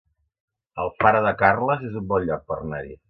Alfara de Carles es un bon lloc per anar-hi